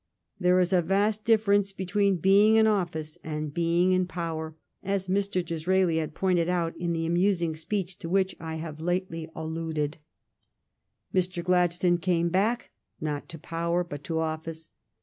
There is a vast difference between being in office and being in power, as Mr. Disraeli had pointed out in the amusing speech to which I have lately al THE IRISH UNIVERSITY QUESTION 291 luded. Mr. Gladstone came back, not to power, but to office.